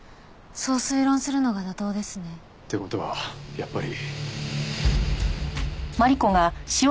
そう推論するのが妥当ですね。って事はやっぱり。